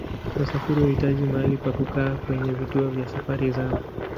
Wasafiri huhitaji mahali pa kukaa kwenye vituo vya safari zao.